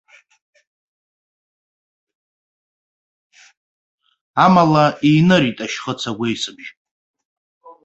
Амала, инырит ашьхыц агәеисыбжьы.